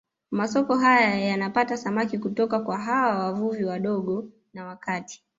Masoko haya yanapata samaki kutoka kwa hawa wavuvi wadogo na wa kati